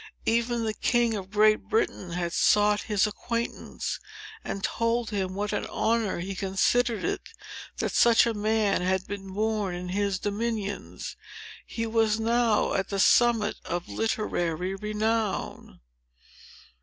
Even the king of Great Britain had sought his acquaintance, and told him what an honor he considered it, that such a man had been born in his dominions. He was now at the summit of literary renown.